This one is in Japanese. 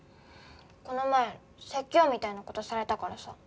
この前説教みたいな事されたからさ。